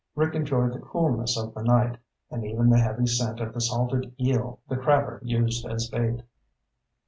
Rick enjoyed the coolness of the night, and even the heavy scent of the salted eel the crabber used as bait.